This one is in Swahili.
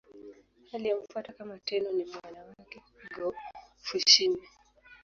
Aliyemfuata kama Tenno ni mwana wake Go-Fushimi.